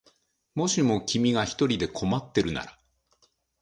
もしも君が一人困ってるなら